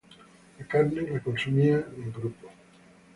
La carne la consumían en grupo.